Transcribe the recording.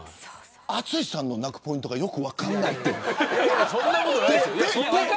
淳さんの泣くポイントがよく分からない。